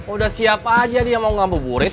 udah siap aja dia mau ngambil buret